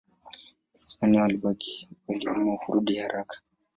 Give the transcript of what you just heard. Wahispania waliobaki waliamua kurudi haraka.